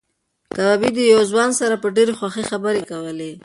کبابي د یو ځوان سره په ډېرې خوښۍ خبرې کولې.